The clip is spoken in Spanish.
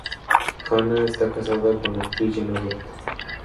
Hannah está casado con la actriz Joanna Roth.